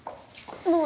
もう